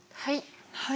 はい。